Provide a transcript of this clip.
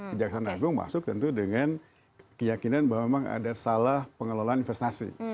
kejaksaan agung masuk tentu dengan keyakinan bahwa memang ada salah pengelolaan investasi